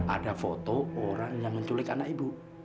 ada foto orang yang menculik anak ibu